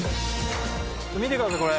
見てくださいこれ。